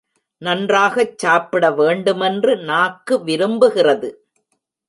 நன்றாகச் சாப்பிட வேண்டுமென்று நாக்கு விரும்புகிறது.